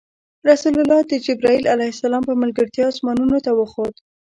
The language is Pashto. رسول الله د جبرایل ع په ملګرتیا اسمانونو ته وخوت.